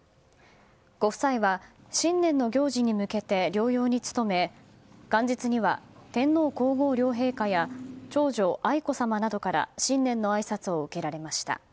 ご夫妻は新年の行事に向けて療養に努め元日には天皇・皇后両陛下や長女・愛子さまなどから新年のあいさつを受けられました。